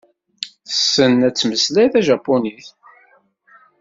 Tessen ad tmeslay tajapunit.